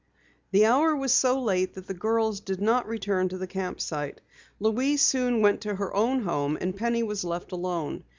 The hour was so late that the girls did not return to the camp site. Louise soon went to her own home and Penny was left alone.